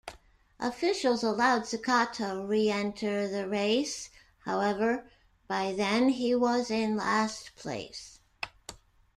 Officials allowed Cecotto re-enter the race however, by then he was in last place.